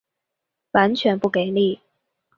完全不给力